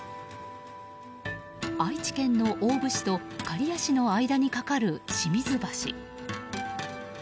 愛知県の大府市と刈谷市の間に架かる清水橋。